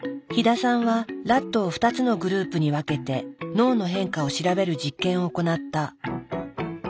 飛田さんはラットを２つのグループに分けて脳の変化を調べる実験を行った。